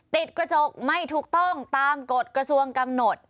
ติดกระจกไม่ถูกต้องตามกฎกระทรวงกำหนด